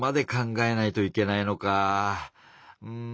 「うん」。